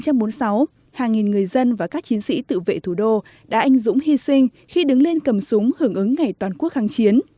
ngày một mươi chín tháng một mươi hai năm một nghìn chín trăm bốn mươi sáu hàng nghìn người dân và các chiến sĩ tự vệ thủ đô đã anh dũng hy sinh khi đứng lên cầm súng hưởng ứng ngày toàn quốc kháng chiến